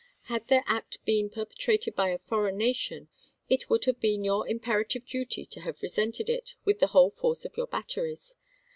Had their act been per petrated by a foreign nation it would have been your imperative duty to have resented it with the whole force of your batteries.